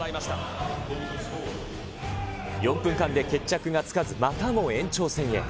４分間で決着がつかず、またも延長戦へ。